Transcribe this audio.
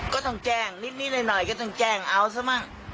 ก็ต้องแจ้งนิดหน่อยก็ต้องแจ้งเอาซะมั้ง